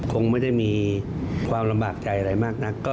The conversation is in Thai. คงไม่ได้มีความลำบากใจอะไรมากนัก